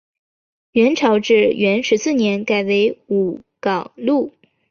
元朝至元十四年改为武冈路。